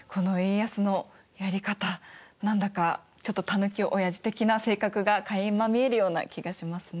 何だかちょっとたぬきおやじ的な性格がかいま見えるような気がしますね。